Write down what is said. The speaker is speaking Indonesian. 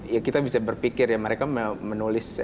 ya kita bisa berpikir ya mereka menulis